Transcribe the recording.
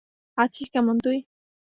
আছিস কেমন তুই?